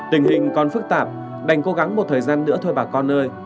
tình hình còn phức tạp đành cố gắng một thời gian nữa thôi bà con nơi